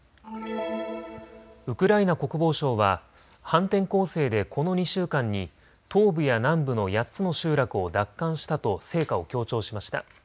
ウクライナ国防省は反転攻勢でこの２週間に東部や南部の８つの集落を奪還したと成果を強調しました。